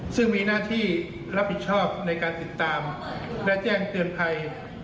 ซึ่งมีหน้าที่รับผิดชอบในการติดตามและแจ้งเตือนภัย